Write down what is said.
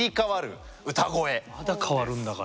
まだ変わるんだから。